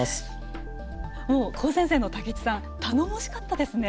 高専生の武智さん頼もしかったですね。